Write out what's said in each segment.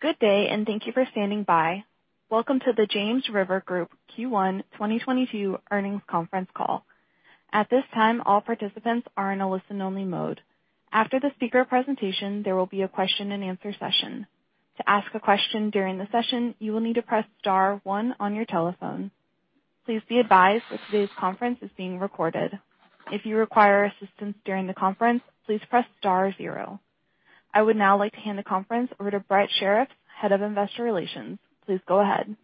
Good day. Thank you for standing by. Welcome to the James River Group Q1 2022 earnings conference call. At this time, all participants are in a listen-only mode. After the speaker presentation, there will be a question and answer session. To ask a question during the session, you will need to press star one on your telephone. Please be advised that today's conference is being recorded. If you require assistance during the conference, please press star zero. I would now like to hand the conference over to Brett Shirreffs, Head of Investor Relations. Please go ahead.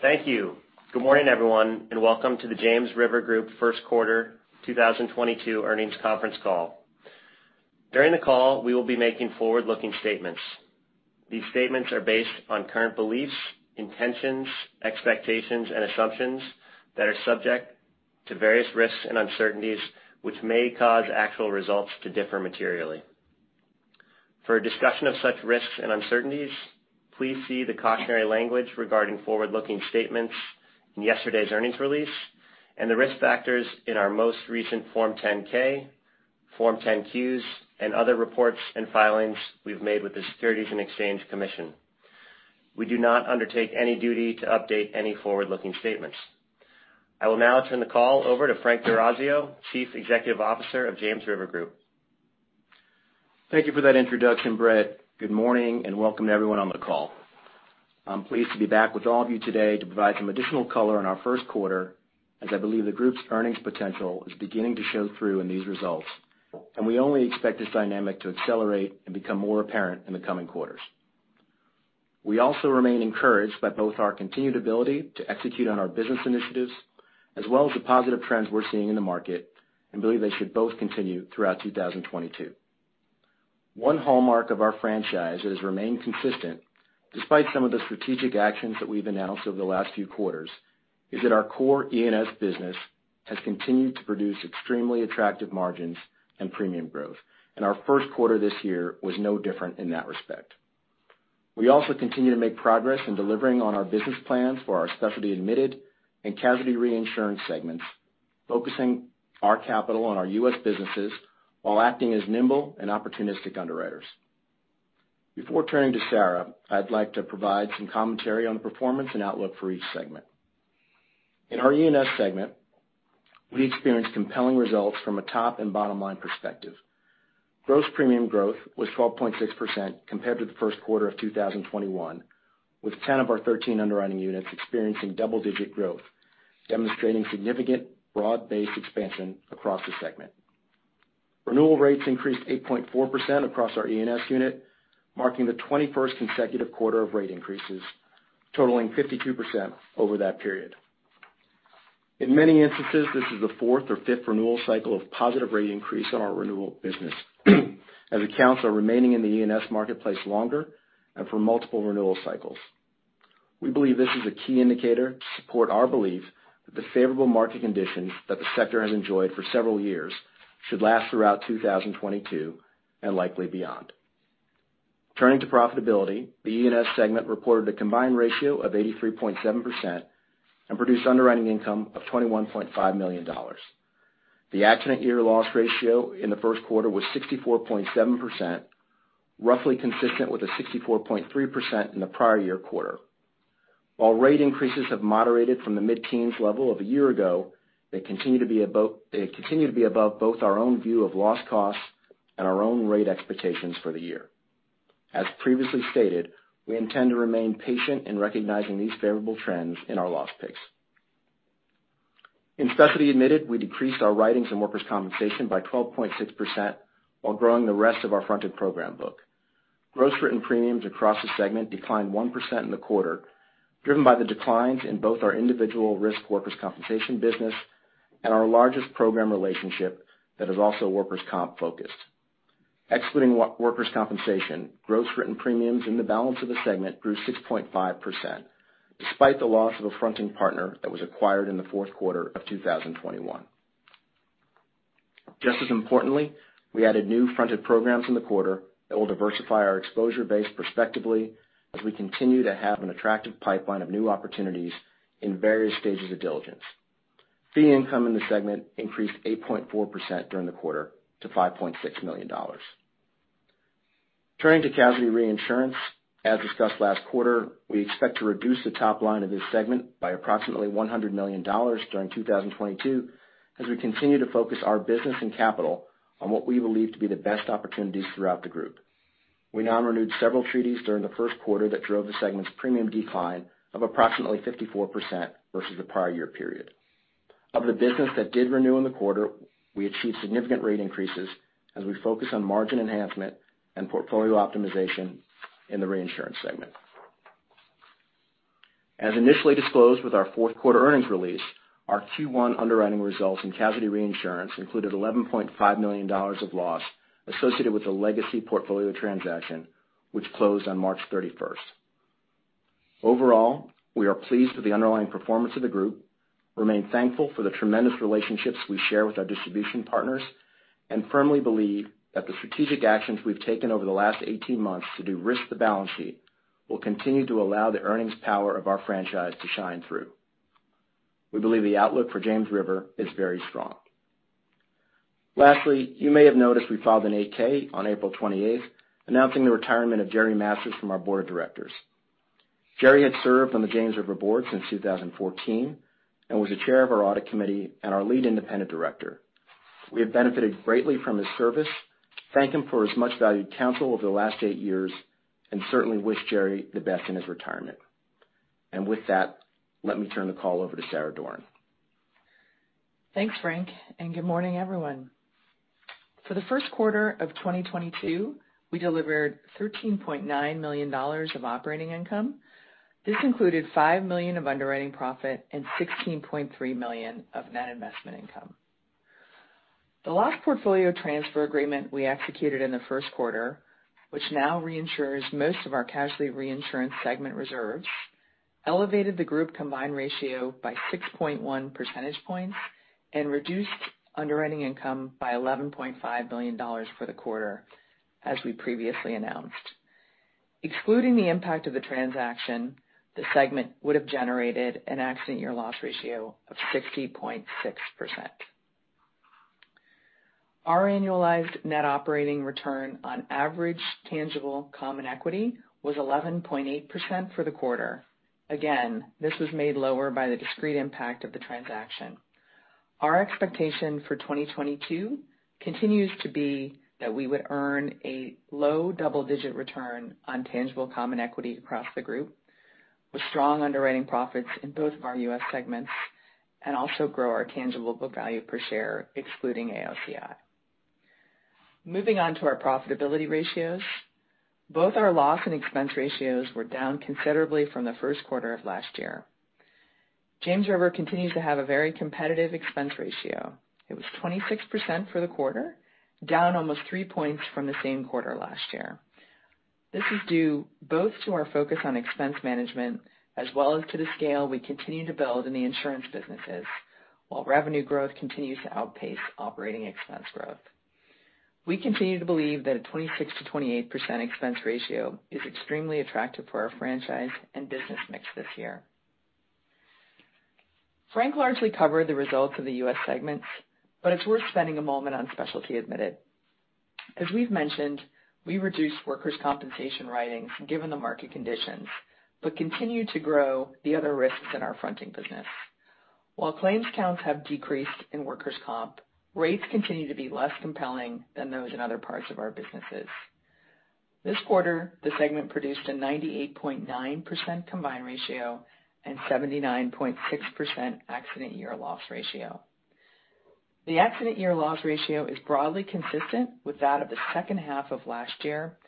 Thank you. Good morning, everyone. Welcome to the James River Group first quarter 2022 earnings conference call. During the call, we will be making forward-looking statements. These statements are based on current beliefs, intentions, expectations, and assumptions that are subject to various risks and uncertainties, which may cause actual results to differ materially. For a discussion of such risks and uncertainties, please see the cautionary language regarding forward-looking statements in yesterday's earnings release and the risk factors in our most recent Form 10-K, Form 10-Q, and other reports and filings we've made with the Securities and Exchange Commission. We do not undertake any duty to update any forward-looking statements. I will now turn the call over to Frank D'Orazio, Chief Executive Officer of James River Group. Thank you for that introduction, Brett. Good morning. Welcome to everyone on the call. I'm pleased to be back with all of you today to provide some additional color on our first quarter, as I believe the group's earnings potential is beginning to show through in these results. We only expect this dynamic to accelerate and become more apparent in the coming quarters. We also remain encouraged by both our continued ability to execute on our business initiatives, as well as the positive trends we're seeing in the market and believe they should both continue throughout 2022. One hallmark of our franchise that has remained consistent, despite some of the strategic actions that we've announced over the last few quarters, is that our core E&S business has continued to produce extremely attractive margins and premium growth. Our first quarter this year was no different in that respect. We also continue to make progress in delivering on our business plans for our specialty admitted and casualty reinsurance segments, focusing our capital on our U.S. businesses while acting as nimble and opportunistic underwriters. Before turning to Sarah, I'd like to provide some commentary on the performance and outlook for each segment. In our E&S segment, we experienced compelling results from a top and bottom-line perspective. Gross premium growth was 12.6% compared to the first quarter of 2021, with 10 of our 13 underwriting units experiencing double-digit growth, demonstrating significant broad-based expansion across the segment. Renewal rates increased 8.4% across our E&S unit, marking the 21st consecutive quarter of rate increases, totaling 52% over that period. In many instances, this is the fourth or fifth renewal cycle of positive rate increase on our renewal business as accounts are remaining in the E&S marketplace longer and for multiple renewal cycles. We believe this is a key indicator to support our belief that the favorable market conditions that the sector has enjoyed for several years should last throughout 2022 and likely beyond. Turning to profitability, the E&S segment reported a combined ratio of 83.7% and produced underwriting income of $21.5 million. The accident year loss ratio in the first quarter was 64.7%, roughly consistent with the 64.3% in the prior year quarter. While rate increases have moderated from the mid-teens level of a year ago, they continue to be above both our own view of loss costs and our own rate expectations for the year. As previously stated, we intend to remain patient in recognizing these favorable trends in our loss picks. In specialty admitted, we decreased our writings and workers' compensation by 12.6% while growing the rest of our fronted program book. Gross written premiums across the segment declined 1% in the quarter, driven by the declines in both our individual risk workers' compensation business and our largest program relationship that is also workers' comp focused. Excluding workers' compensation, gross written premiums in the balance of the segment grew 6.5%, despite the loss of a fronting partner that was acquired in the fourth quarter of 2021. Just as importantly, we added new fronted programs in the quarter that will diversify our exposure base prospectively as we continue to have an attractive pipeline of new opportunities in various stages of diligence. Fee income in the segment increased 8.4% during the quarter to $5.6 million. Turning to casualty reinsurance. As discussed last quarter, we expect to reduce the top line of this segment by approximately $100 million during 2022 as we continue to focus our business and capital on what we believe to be the best opportunities throughout the group. We non-renewed several treaties during the first quarter that drove the segment's premium decline of approximately 54% versus the prior year period. Of the business that did renew in the quarter, we achieved significant rate increases as we focus on margin enhancement and portfolio optimization in the reinsurance segment. As initially disclosed with our fourth quarter earnings release, our Q1 underwriting results in casualty reinsurance included $11.5 million of loss associated with the legacy portfolio transaction, which closed on March 31st. Overall, we are pleased with the underlying performance of the group, remain thankful for the tremendous relationships we share with our distribution partners, and firmly believe that the strategic actions we've taken over the last 18 months to de-risk the balance sheet will continue to allow the earnings power of our franchise to shine through. We believe the outlook for James River is very strong. Lastly, you may have noticed we filed an 8-K on April 28th announcing the retirement of Jerry Masters from our board of directors. Jerry had served on the James River board since 2014 and was the chair of our audit committee and our lead independent director. We have benefited greatly from his service, thank him for his much-valued counsel over the last eight years, and certainly wish Jerry the best in his retirement. With that, let me turn the call over to Sarah Doran. Thanks, Frank, good morning, everyone. For the first quarter of 2022, we delivered $13.9 million of operating income. This included $5 million of underwriting profit and $16.3 million of net investment income. The loss portfolio transfer agreement we executed in the first quarter, which now reinsures most of our casualty reinsurance segment reserves, elevated the group combined ratio by 6.1 percentage points and reduced underwriting income by $11.5 million for the quarter, as we previously announced. Excluding the impact of the transaction, the segment would've generated an accident year loss ratio of 60.6%. Our annualized net operating return on average tangible common equity was 11.8% for the quarter. This was made lower by the discrete impact of the transaction. Our expectation for 2022 continues to be that we would earn a low double-digit return on tangible common equity across the group with strong underwriting profits in both of our U.S. segments, also grow our tangible book value per share excluding AOCI. Moving on to our profitability ratios. Both our loss and expense ratios were down considerably from the first quarter of last year. James River continues to have a very competitive expense ratio. It was 26% for the quarter, down almost three points from the same quarter last year. This is due both to our focus on expense management as well as to the scale we continue to build in the insurance businesses, while revenue growth continues to outpace operating expense growth. We continue to believe that a 26%-28% expense ratio is extremely attractive for our franchise and business mix this year. Frank largely covered the results of the U.S. segments, it's worth spending a moment on specialty admitted. As we've mentioned, we reduced workers' compensation writings given the market conditions, continue to grow the other risks in our fronting business. While claims counts have decreased in workers' comp, rates continue to be less compelling than those in other parts of our businesses. This quarter, the segment produced a 98.9% combined ratio and 79.6% accident year loss ratio. The accident year loss ratio is broadly consistent with that of the second half of last year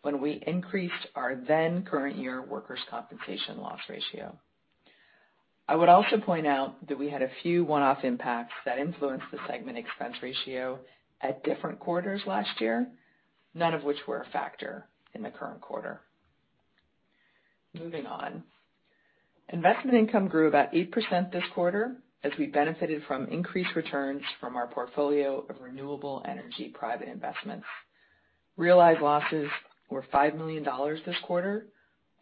when we increased our then current year workers' compensation loss ratio. I would also point out that we had a few one-off impacts that influenced the segment expense ratio at different quarters last year, none of which were a factor in the current quarter. Investment income grew about 8% this quarter as we benefited from increased returns from our portfolio of renewable energy private investments. Realized losses were $5 million this quarter,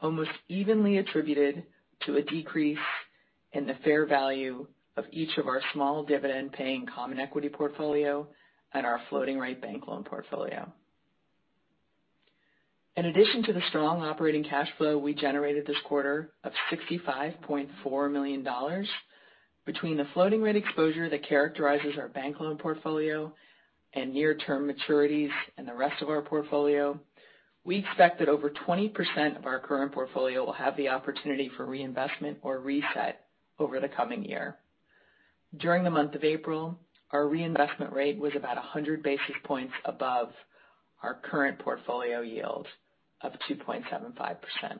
almost evenly attributed to a decrease in the fair value of each of our small dividend-paying common equity portfolio and our floating rate bank loan portfolio. In addition to the strong operating cash flow we generated this quarter of $65.4 million, between the floating rate exposure that characterizes our bank loan portfolio and near-term maturities in the rest of our portfolio, we expect that over 20% of our current portfolio will have the opportunity for reinvestment or reset over the coming year. During the month of April, our reinvestment rate was about 100 basis points above our current portfolio yield of 2.75%.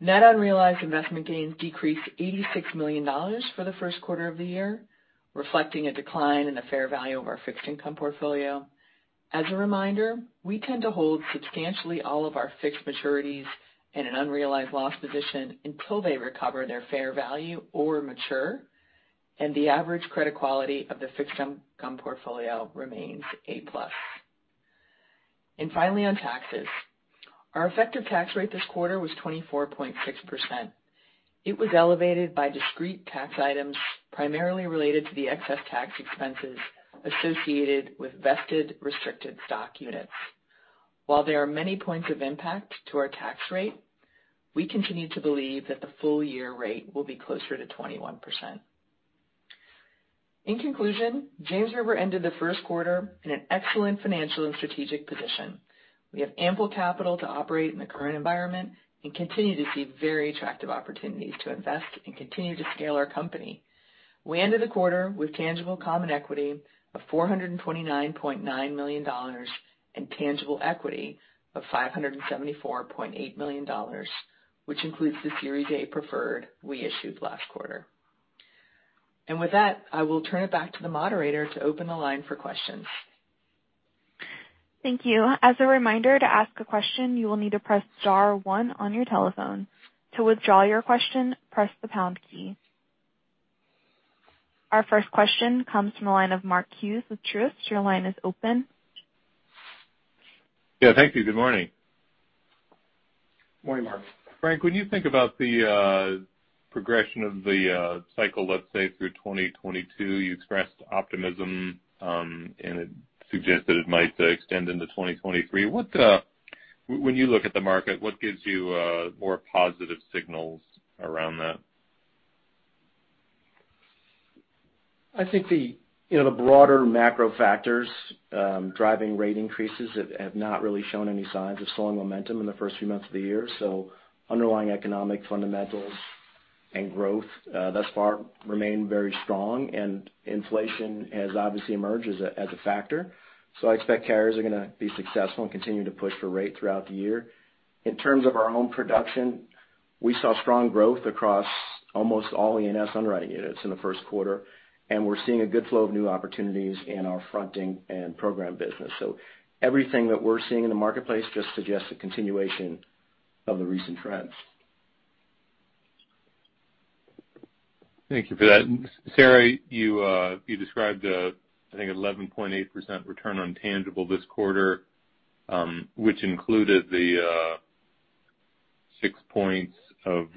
Net unrealized investment gains decreased $86 million for the first quarter of the year, reflecting a decline in the fair value of our fixed income portfolio. As a reminder, we tend to hold substantially all of our fixed maturities in an unrealized loss position until they recover their fair value or mature, the average credit quality of the fixed income portfolio remains A-plus. Finally, on taxes. Our effective tax rate this quarter was 24.6%. It was elevated by discrete tax items, primarily related to the excess tax expenses associated with vested restricted stock units. While there are many points of impact to our tax rate, we continue to believe that the full year rate will be closer to 21%. In conclusion, James River ended the first quarter in an excellent financial and strategic position. We have ample capital to operate in the current environment and continue to see very attractive opportunities to invest and continue to scale our company. We ended the quarter with tangible common equity of $429.9 million and tangible equity of $574.8 million, which includes the Series A preferred we issued last quarter. With that, I will turn it back to the moderator to open the line for questions. Thank you. As a reminder, to ask a question, you will need to press star one on your telephone. To withdraw your question, press the pound key. Our first question comes from the line of Mark Hughes with Truist. Your line is open. Yeah. Thank you. Good morning. Morning, Mark. Frank, when you think about the progression of the cycle, let's say through 2022, you expressed optimism. It suggested it might extend into 2023. When you look at the market, what gives you more positive signals around that? I think the broader macro factors driving rate increases have not really shown any signs of slowing momentum in the first few months of the year. Underlying economic fundamentals and growth thus far remain very strong. Inflation has obviously emerged as a factor. I expect carriers are going to be successful and continue to push for rate throughout the year. In terms of our own production, we saw strong growth across almost all E&S underwriting units in the first quarter. We're seeing a good flow of new opportunities in our fronting and program business. Everything that we're seeing in the marketplace just suggests a continuation of the recent trends. Thank you for that. Sarah, you described, I think, an 11.8% return on tangible this quarter, which included the six points of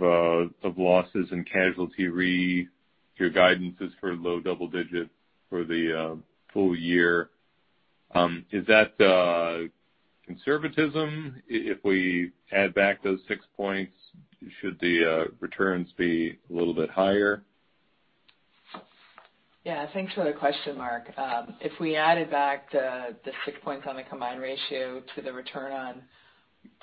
losses and casualty re. Your guidance is for low double digit for the full year. Is that conservatism? If we add back those six points, should the returns be a little bit higher? Yeah. Thanks for the question, Mark. If we added back the six points on the combined ratio to the return on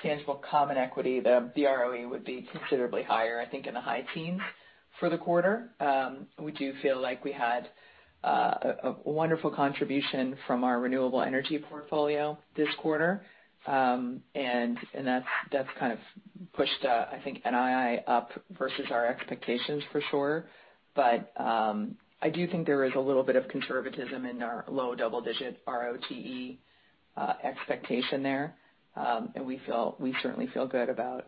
tangible common equity, the ROE would be considerably higher, I think in the high teens for the quarter. We do feel like we had a wonderful contribution from our renewable energy portfolio this quarter. That's pushed, I think, NII up versus our expectations for sure. I do think there is a little bit of conservatism in our low double-digit ROTE expectation there. We certainly feel good about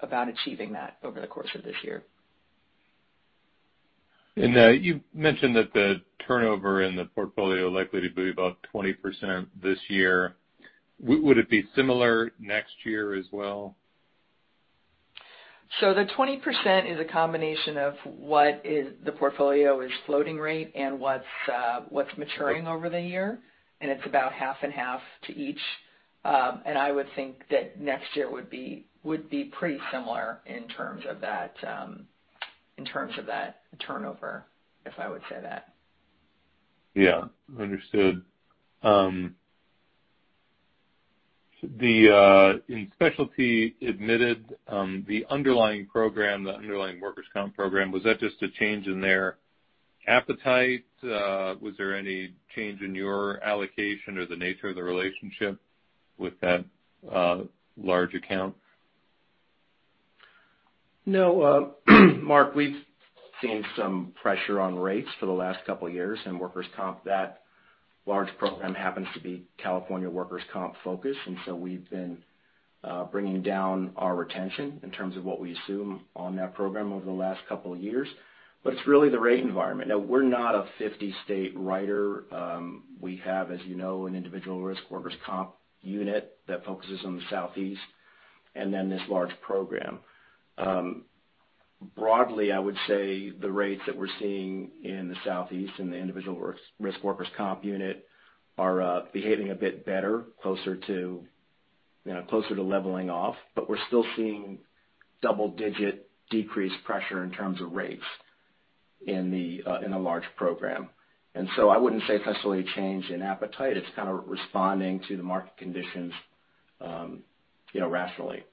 achieving that over the course of this year. You mentioned that the turnover in the portfolio likely to be about 20% this year. Would it be similar next year as well? The 20% is a combination of what the portfolio is floating rate and what's maturing over the year, and it's about half and half to each. I would think that next year would be pretty similar in terms of that turnover, if I would say that. Yeah. Understood. In specialty admitted, the underlying program, the underlying workers' comp program, was that just a change in their appetite? Was there any change in your allocation or the nature of the relationship with that large account? No, Mark, we've seen some pressure on rates for the last couple of years in workers' comp. That large program happens to be California workers' comp focused, so we've been bringing down our retention in terms of what we assume on that program over the last couple of years. It's really the rate environment. Now we're not a 50-state writer. We have, as you know, an individual risk workers' comp unit that focuses on the Southeast and then this large program. Broadly, I would say the rates that we're seeing in the Southeast and the individual risk workers' comp unit are behaving a bit better, closer to leveling off. We're still seeing double-digit decrease pressure in terms of rates in the large program. I wouldn't say it's necessarily a change in appetite. It's kind of responding to the market conditions rationally.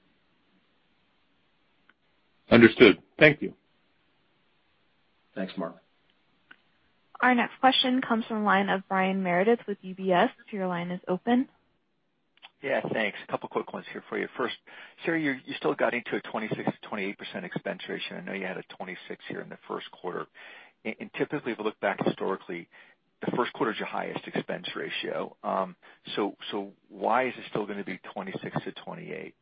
Understood. Thank you. Thanks, Mark. Our next question comes from the line of Brian Meredith with UBS. Your line is open. Yeah, thanks. A couple quick ones here for you. First, Sarah, you still got into a 26%-28% expense ratio. I know you had a 26% here in the first quarter. Typically, if I look back historically, the first quarter's your highest expense ratio. Why is it still going to be 26%-28%?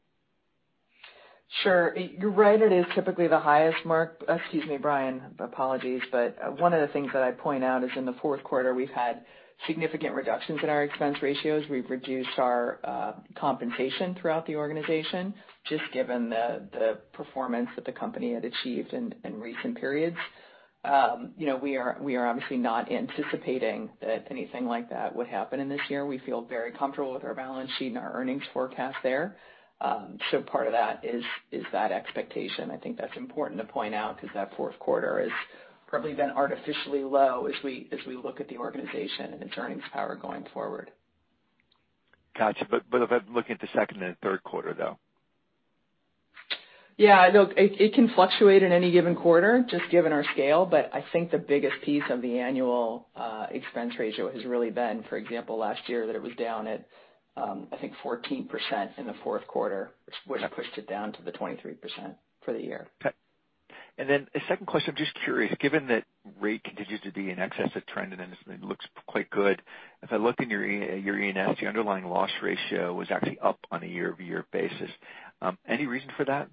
Sure. You're right. It is typically the highest, Mark. Excuse me, Brian. Apologies. One of the things that I point out is in the fourth quarter, we've had significant reductions in our expense ratios. We've reduced our compensation throughout the organization, just given the performance that the company had achieved in recent periods. We are obviously not anticipating that anything like that would happen in this year. We feel very comfortable with our balance sheet and our earnings forecast there. Part of that is that expectation. I think that's important to point out because that fourth quarter has probably been artificially low as we look at the organization and its earnings power going forward. Got you. If I look at the second and third quarter, though? Yeah. Look, it can fluctuate in any given quarter, just given our scale. I think the biggest piece of the annual expense ratio has really been, for example, last year, that it was down at, I think, 14% in the fourth quarter, which pushed it down to the 23% for the year. Okay. A second question. Just curious, given that rate continues to be in excess of trend, and it looks quite good. If I look in your E&S, the underlying loss ratio was actually up on a year-over-year basis. Any reason for that?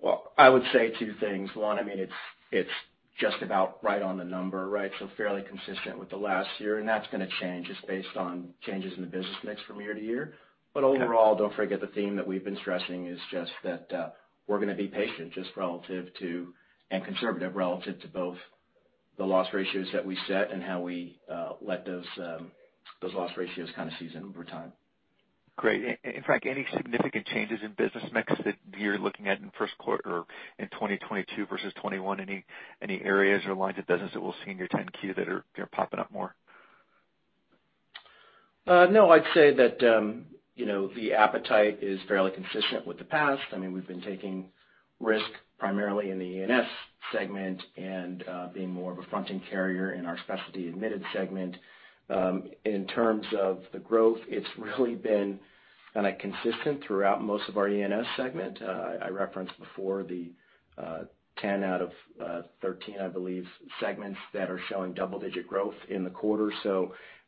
Well, I would say two things. One, it's just about right on the number, right? Fairly consistent with the last year, and that's going to change just based on changes in the business mix from year to year. Overall, don't forget the theme that we've been stressing is just that we're going to be patient and conservative relative to both the loss ratios that we set and how we let those loss ratios kind of season over time. Great. Frank, any significant changes in business mix that you're looking at in 2022 versus 2021? Any areas or lines of business that we'll see in your 10-Q that are popping up more? No, I'd say that the appetite is fairly consistent with the past. We've been taking risk primarily in the E&S segment and being more of a fronting carrier in our specialty admitted segment. In terms of the growth, it's really been kind of consistent throughout most of our E&S segment. I referenced before the 10 out of 13, I believe, segments that are showing double-digit growth in the quarter.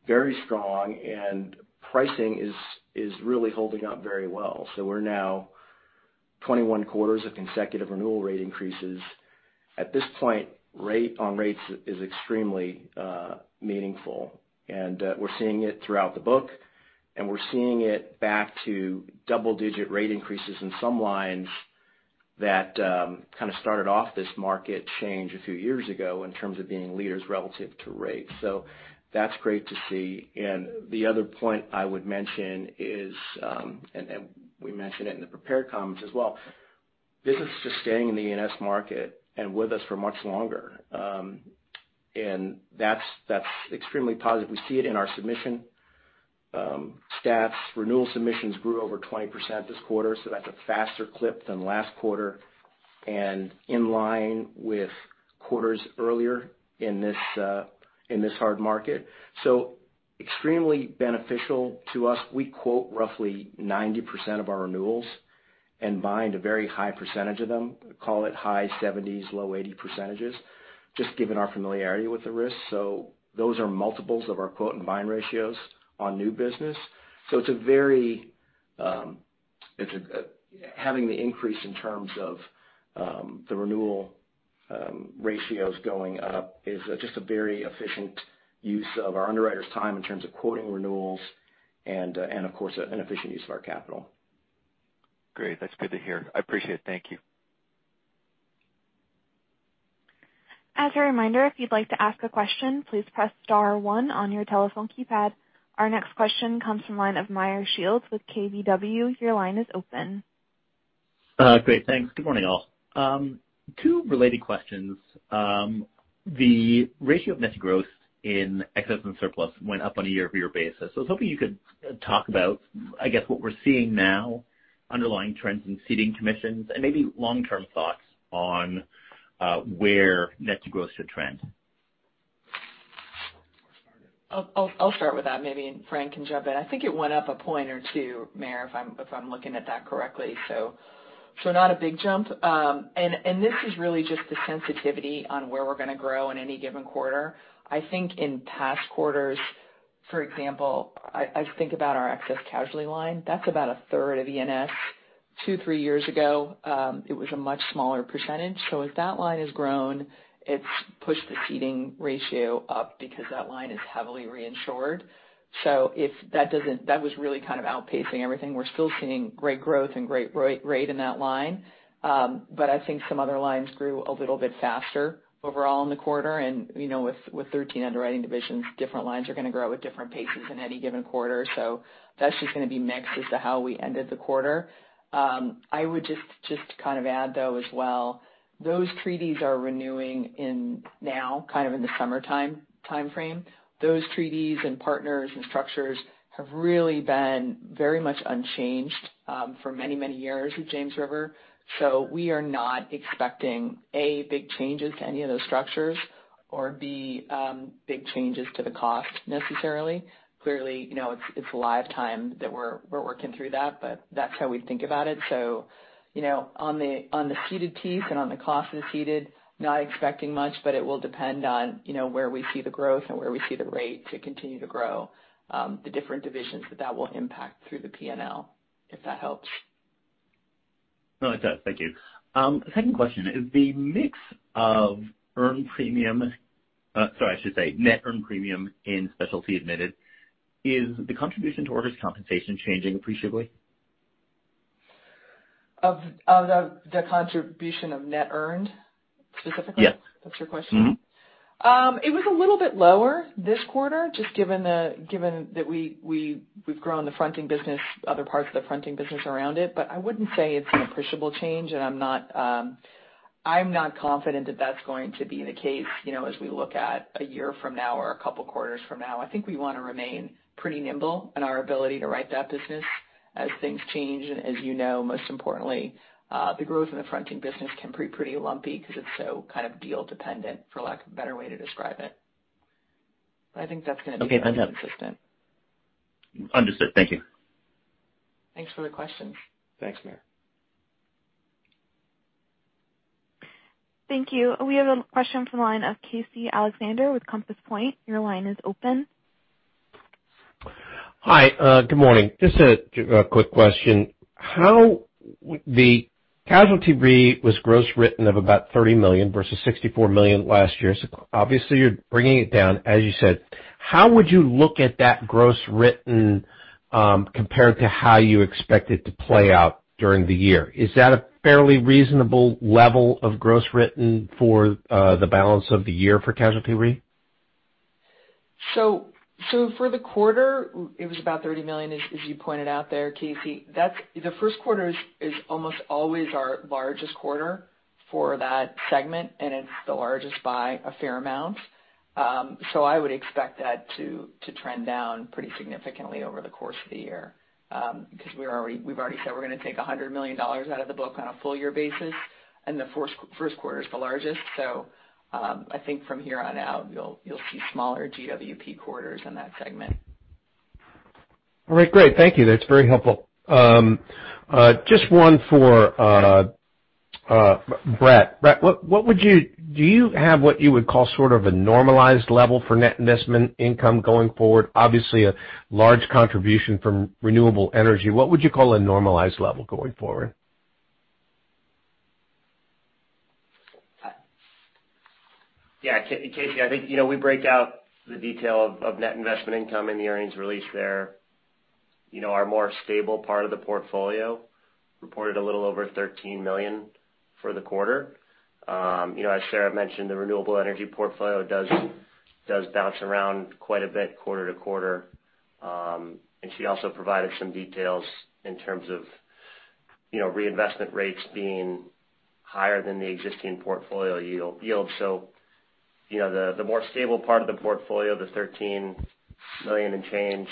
Very strong, and pricing is really holding up very well. We're now 21 quarters of consecutive renewal rate increases. At this point, on rates is extremely meaningful. We're seeing it throughout the book, and we're seeing it back to double-digit rate increases in some lines that kind of started off this market change a few years ago in terms of being leaders relative to rates. That's great to see. The other point I would mention is, we mentioned it in the prepared comments as well, business just staying in the E&S market and with us for much longer. That's extremely positive. We see it in our submission stats. Renewal submissions grew over 20% this quarter, that's a faster clip than last quarter and in line with quarters earlier in this hard market. Extremely beneficial to us. We quote roughly 90% of our renewals and bind a very high percentage of them, call it high 70s, low 80 percentages, just given our familiarity with the risk. Those are multiples of our quote and bind ratios on new business. Having the increase in terms of the renewal ratios going up is just a very efficient use of our underwriters' time in terms of quoting renewals and, of course, an efficient use of our capital. Great. That's good to hear. I appreciate it. Thank you. As a reminder, if you'd like to ask a question, please press * one on your telephone keypad. Our next question comes from the line of Meyer Shields with KBW. Your line is open. Great. Thanks. Good morning, all. Two related questions. The ratio of net to gross in excess and surplus went up on a year-over-year basis. I was hoping you could talk about, I guess, what we're seeing now, underlying trends in ceding commissions, and maybe long-term thoughts on where net to gross should trend. Who wants to get started? I'll start with that, maybe, and Frank can jump in. I think it went up a point or two, Meyer, if I'm looking at that correctly. Not a big jump. This is really just the sensitivity on where we're going to grow in any given quarter. I think in past quarters, for example, our excess casualty line. That's about a third of E&S. Two, three years ago, it was a much smaller percentage. As that line has grown, it's pushed the ceding ratio up because that line is heavily reinsured. That was really kind of outpacing everything. We're still seeing great growth and great rate in that line. I think some other lines grew a little bit faster overall in the quarter. With 13 underwriting divisions, different lines are going to grow at different paces in any given quarter. That's just going to be mix as to how we ended the quarter. I would just kind of add, though, as well, those treaties are renewing in now, kind of in the summertime timeframe. Those treaties and partners and structures have really been very much unchanged for many years at James River. We are not expecting, A, big changes to any of those structures or, B, big changes to the cost necessarily. Clearly, it's a live time that we're working through that, but that's how we think about it. On the ceded piece and on the cost of the ceded, not expecting much, but it will depend on where we see the growth and where we see the rate to continue to grow, the different divisions that that will impact through the P&L, if that helps. No, it does. Thank you. Second question, the mix of net earned premium in specialty admitted, is the contribution to excess workers' compensation changing appreciably? Of the contribution of net earned specifically? Yes. That's your question? It was a little bit lower this quarter, just given that we've grown the fronting business, other parts of the fronting business around it. I wouldn't say it's an appreciable change, and I'm not confident that that's going to be the case as we look at a year from now or a couple of quarters from now. I think we want to remain pretty nimble in our ability to write that business as things change. As you know, most importantly, the growth in the fronting business can be pretty lumpy because it's so kind of deal dependent, for lack of a better way to describe it. I think that's going to be. Okay. That's helpful. consistent. Understood. Thank you. Thanks for the questions. Thanks, Meyer. Thank you. We have a question from the line of Casey Alexander with Compass Point. Your line is open. Hi, good morning. Just a quick question. The casualty reinsurance was gross written of about $30 million versus $64 million last year. Obviously you're bringing it down, as you said. How would you look at that gross written, compared to how you expect it to play out during the year? Is that a fairly reasonable level of gross written for the balance of the year for casualty reinsurance? For the quarter, it was about $30 million, as you pointed out there, Casey. The first quarter is almost always our largest quarter for that segment, and it's the largest by a fair amount. I would expect that to trend down pretty significantly over the course of the year, because we've already said we're going to take $100 million out of the book on a full year basis, and the first quarter is the largest. I think from here on out, you'll see smaller GWP quarters in that segment. All right, great. Thank you. That's very helpful. Just one for Brett. Brett, do you have what you would call sort of a normalized level for net investment income going forward? Obviously, a large contribution from renewable energy. What would you call a normalized level going forward? Yeah, Casey, I think we break out the detail of net investment income in the earnings release there. Our more stable part of the portfolio reported a little over $13 million for the quarter. As Sarah mentioned, the renewable energy portfolio does bounce around quite a bit quarter to quarter. She also provided some details in terms of reinvestment rates being higher than the existing portfolio yield. The more stable part of the portfolio, the $13 million and change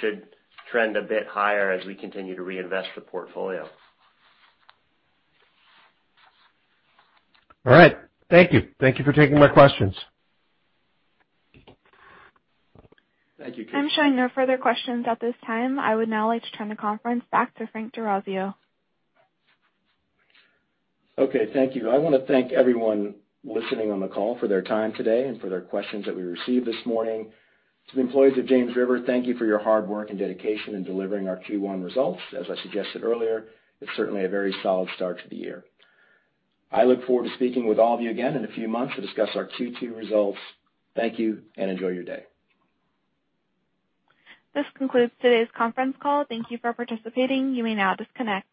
should trend a bit higher as we continue to reinvest the portfolio. All right. Thank you. Thank you for taking my questions. Thank you, Casey. I'm showing no further questions at this time. I would now like to turn the conference back to Frank D'Orazio. Okay, thank you. I want to thank everyone listening on the call for their time today and for their questions that we received this morning. To the employees of James River, thank you for your hard work and dedication in delivering our Q1 results. As I suggested earlier, it's certainly a very solid start to the year. I look forward to speaking with all of you again in a few months to discuss our Q2 results. Thank you, and enjoy your day. This concludes today's conference call. Thank you for participating. You may now disconnect.